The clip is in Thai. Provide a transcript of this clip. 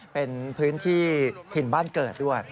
เป็นพื้นที่ถิ่นบ้านเกิดด้วย